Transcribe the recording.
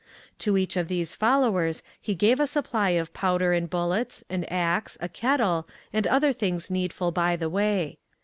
To each of these followers he gave a supply of powder and bullets, an ax, a kettle, and other things needful by the way.